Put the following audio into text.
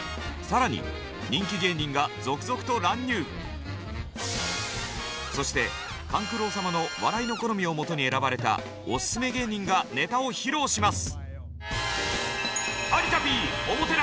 更にそして勘九郎様の笑いの好みをもとに選ばれたオススメ芸人がネタを披露します。